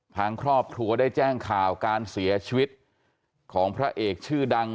ทางครอบครัวได้แจ้งข่าวการเสียชีวิตของพระเอกชื่อดัง